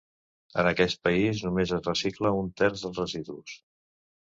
En aquest país només es recicla un terç dels residus.